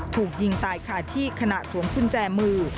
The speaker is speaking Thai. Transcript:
ถูกยิงตายคาที่ขณะสวมกุญแจมือ